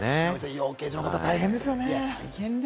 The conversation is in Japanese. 養鶏場の方、大変ですよね、ヒロミさん。